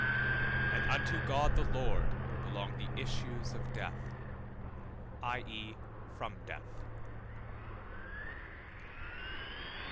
And unto God the Lord belong the issues of death (i.e. from death).